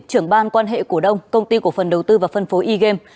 trưởng ban quan hệ cổ đông công ty cổ phần đầu tư và phân phối e game